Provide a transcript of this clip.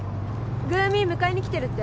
グーミー迎えに来てるって？